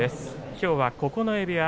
きょうは九重部屋